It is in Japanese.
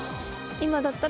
今だったら。